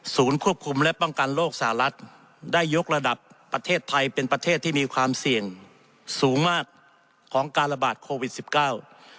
ควบคุมและป้องกันโรคสหรัฐได้ยกระดับประเทศไทยเป็นประเทศที่มีความเสี่ยงสูงมากของการระบาดโควิดสิบเก้า